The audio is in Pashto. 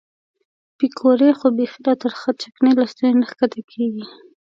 پیکورې خو بیخي له ترخې چکنۍ له ستوني نه ښکته کېږي.